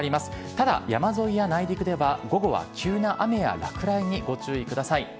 ただ、山沿いや内陸では午後は急な雨や落雷にご注意ください。